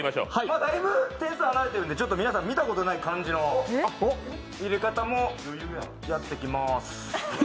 だいぶ点数離れてるんでちょっと皆さん、見たことない感じの入れ方もやってきます。